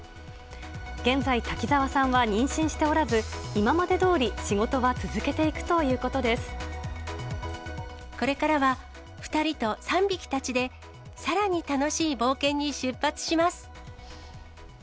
現在、滝沢さんは妊娠しておらず、今までどおり、これからは２人と３匹たちで、さらに楽しい冒険に出発します。